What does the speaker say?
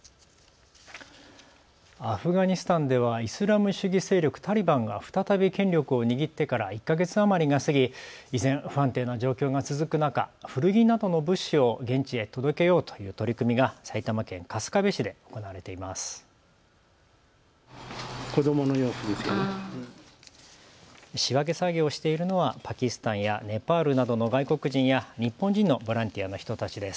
アフガニスタンではイスラム主義勢力タリバンが再び権力を握ってから１か月余りが過ぎ依然、不安定な状況が続く中、古着などの物資を現地へ届けようという取り組みが埼玉県春日部市で行われています。